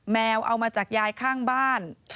แมวเอามาจากยายข้างบ้าน